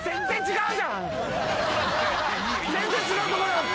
全然違うとこにあった。